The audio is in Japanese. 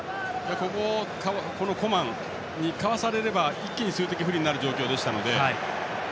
ここをコマンにかわされれば一気に数的不利になる状況でしたので。